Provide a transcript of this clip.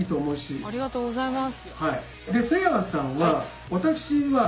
うわっありがとうございます。